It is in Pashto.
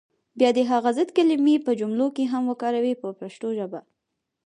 بیا دې هغه ضد کلمې په جملو کې هم وکاروي په پښتو ژبه.